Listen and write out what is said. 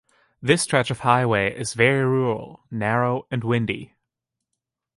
This stretch of highway is very rural, narrow, and windy.